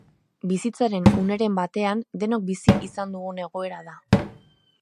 Bizitzaren uneren batean denok bizi izan dugun egoera da.